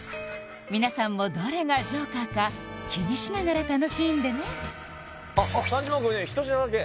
皆さんもどれがジョーカーか気にしながら楽しんでね３０万超えてるの１品だけ？